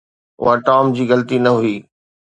اها ٽام جي غلطي نه هئي